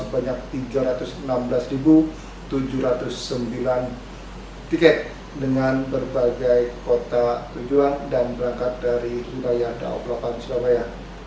sebanyak tiga ratus enam belas tujuh ratus sembilan tiket dengan berbagai kota tujuan dan berangkat dari uraian daobrokan surabaya